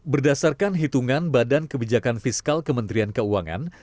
berdasarkan hitungan badan kebijakan fiskal kementerian keuangan